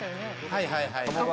はいはいはい鴨川